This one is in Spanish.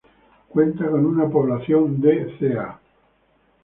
Cuenta con una población de ca.